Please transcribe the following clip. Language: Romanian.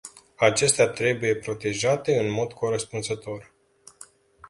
Acestea trebuie protejate în mod corespunzător.